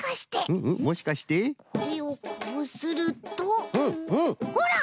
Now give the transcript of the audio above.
これをこうするとほら！